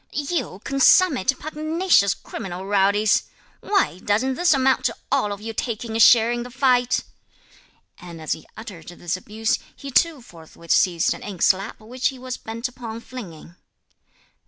"You consummate pugnacious criminal rowdies! why, doesn't this amount to all of you taking a share in the fight!" And as he uttered this abuse, he too forthwith seized an inkslab, which he was bent upon flinging.